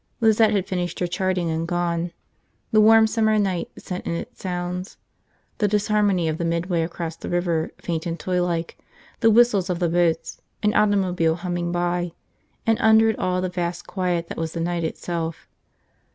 Lizette had finished her charting and gone. The warm summer night sent in its sounds – the disharmony of the midway across the river, faint and toylike; the whistles of the boats, an automobile humming by; and under it all the vast quiet that was the night itself.